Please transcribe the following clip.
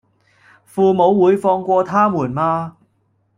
父母會放過他們嗎